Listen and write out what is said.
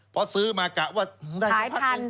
เพราะซื้อมากะว่าขายทัน